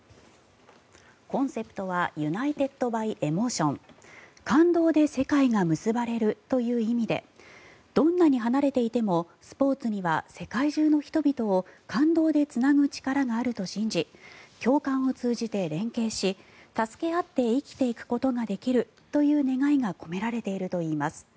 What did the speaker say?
コンセプトはＵｎｉｔｅｄｂｙＥｍｏｔｉｏｎ感動で世界が結ばれるという意味でどんなに離れていてもスポーツには世界中の人々を感動でつなぐ力があると信じ共感を通じて連携し助け合って生きていくことができるという願いが込められているといいます。